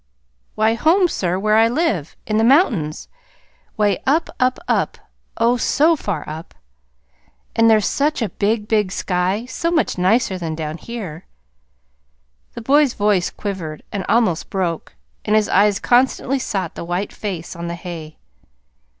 "Why, home, sir, where I live. In the mountains, 'way up, up, up oh, so far up! And there's such a big, big sky, so much nicer than down here." The boy's voice quivered, and almost broke, and his eyes constantly sought the white face on the hay.